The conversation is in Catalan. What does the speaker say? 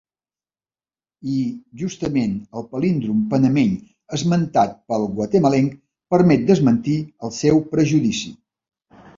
I justament el palíndrom panameny esmentat pel guatemalenc permet desmentir el seu prejudici.